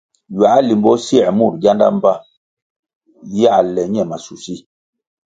Ywãh limbo sier mur gianda mbpa yãh le ñe maschusi.